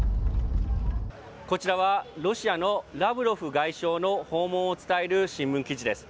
こちらは、ロシアのラブロフ外相の訪問を伝える新聞記事です。